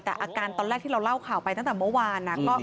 แต่อาการตอนแรกที่เราเล่าข่าวไปตั้งแต่เมื่อวานนะ